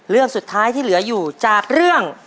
เรื่องสุดท้ายที่เหลืออยู่จากเรื่อง